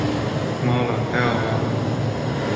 Mala te ava be.